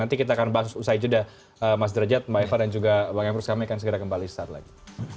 nanti kita akan bahas usai jeda mas derajat mbak eva dan juga bang emrus kami akan segera kembali saat lagi